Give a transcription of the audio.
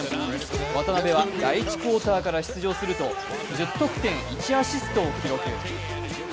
渡邊は第１クオーターから出場すると１０得点１アシストを記録。